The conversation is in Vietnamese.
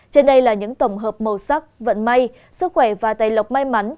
trên đây là những tổng hợp màu sắc vận may sức khỏe và tài lộc may mắn